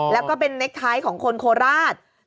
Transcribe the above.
แล้วก็เป็นเนคท้ายของคนโคราช